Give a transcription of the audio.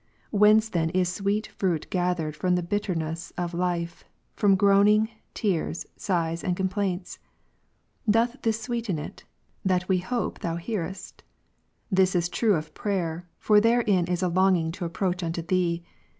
Whence then is sweet fruit gathered from the bitterness of life, from groaning, tears, sighs, and complaints ? Doth this sweeten it, that we hope Thou hearest ? This is true of prayer, for therein is a longing to approach unto Thee.